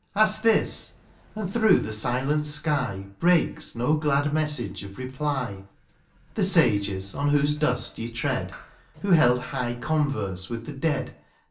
" Ask this ! and through the silent sky, " Breaks no glad message of reply. The sages, on whose dust ye tread. Who held high converse with the dead.